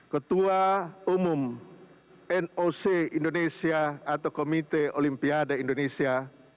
ketua umum noc indonesia atau komite olimpiade indonesia